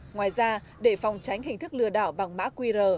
ngoài ra để phòng tránh hình thức lừa đảo bằng mã qr